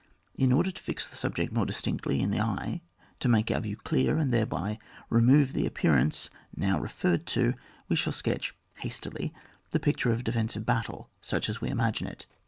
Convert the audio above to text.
In order to fix the subject more distinctly in the eye, to make our view clear and thereby remove the appearance now re ferred to, we shall sketch, hastily, the picture of a defensive battle, such as we imagine it.